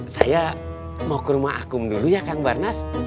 saya mau ke rumah akum dulu ya kang barnas